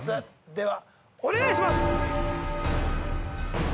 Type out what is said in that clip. ではお願いします！